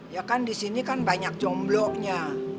ya kan di sini kan banyak jomblonya